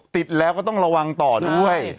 ติดแล้วก็ต้องระวังต่อด้วย